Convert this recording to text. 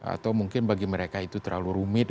atau mungkin bagi mereka itu terlalu rumit